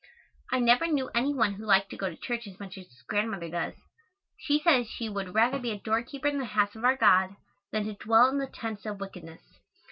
I never knew any one who liked to go to church as much as Grandmother does. She says she "would rather be a doorkeeper in the house of our God, than to dwell in the tents of wickedness."